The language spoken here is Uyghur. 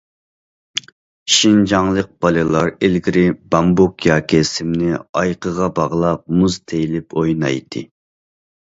شىنجاڭلىق بالىلار ئىلگىرى بامبۇك ياكى سىمنى ئايىغىغا باغلاپ مۇز تېيىلىپ ئوينايتتى.